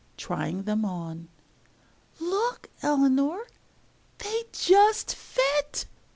(Trying them on.) "Look, Eleanor, they just fit!"